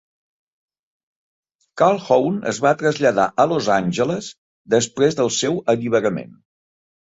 Calhoun es va traslladar a Los Angeles després del seu alliberament.